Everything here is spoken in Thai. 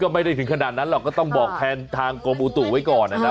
ไม่ได้ถึงขนาดนั้นหรอกก็ต้องบอกแทนทางกรมอุตุไว้ก่อนนะครับ